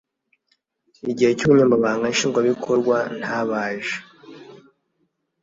igice cy’ ubunyamabanga nshingwabikorwa ntabaje.